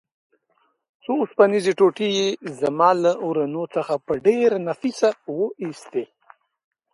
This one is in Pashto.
څو اوسپنیزې ټوټې یې زما له ورنو څخه په ډېره نفیسه وه ایستې.